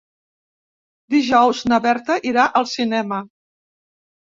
Dijous na Berta irà al cinema.